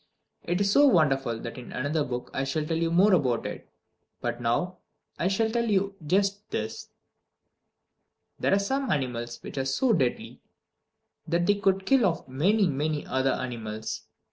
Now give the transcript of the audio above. It is so wonderful that in another book I shall tell you more about it. But now I shall tell you just this: There are some animals which are so deadly that they could kill off many, many other animals.